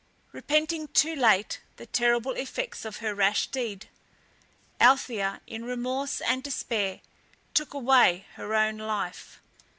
Repenting too late the terrible effects of her rash deed, Althea, in remorse and despair, took away her own life.